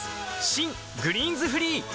新「グリーンズフリー」